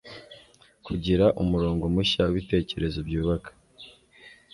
kugira umurongo mushya w'ibitekerezo byubaka